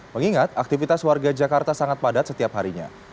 mengingat aktivitas warga jakarta sangat padat setiap harinya